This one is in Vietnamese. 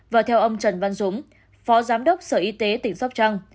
và theo ông trần văn dũng phó giám đốc sở y tế tỉnh sóc trăng